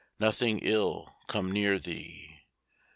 Nothing ill come near thee!